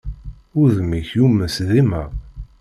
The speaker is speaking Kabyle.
Udem-ik yumes dima.